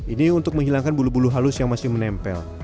ini untuk menghilangkan bulu bulu halus yang masih menempel